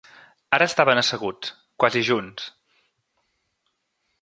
Ara estaven asseguts, quasi junts.